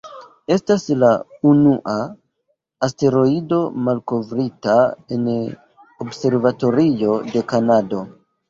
Estas la unua asteroido malkovrita en observatorio de Kanado.